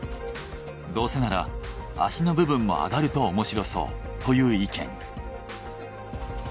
どうせなら足の部分もあがると面白そう」という意見。